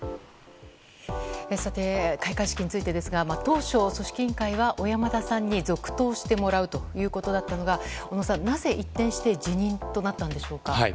さて、開会式についてですが当初、組織委員会は小山田さんに続投してもらうということだったのが小野さん、なぜ一転して辞任となったんでしょうか？